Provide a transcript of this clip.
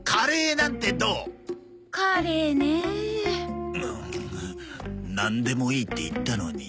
「なんでもいい」って言ったのに。